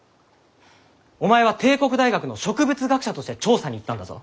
お前は帝国大学の植物学者として調査に行ったんだぞ。